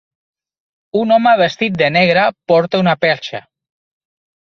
Un home vestit de negre porta una perxa.